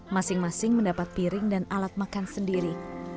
masing masing mendapat piring dan alat makan sendiri